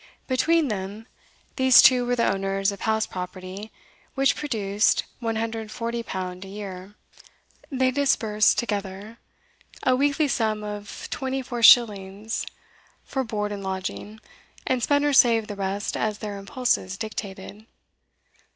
Between them, these two were the owners of house property, which produced L140 a year. They disbursed, together, a weekly sum of twenty four shillings for board and lodging, and spent or saved the rest as their impulses dictated.